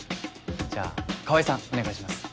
じゃあ川合さんお願いします。